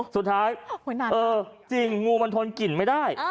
สุดท้ายเออจริงงูมันทนกลิ่นไม่ได้